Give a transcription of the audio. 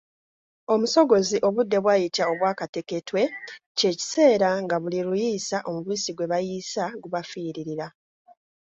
"Omusogozi obudde bw'ayita obwakateketwe kye kiseera nga buli luyiisa, omubisi gwe bayiisa gubafiirira"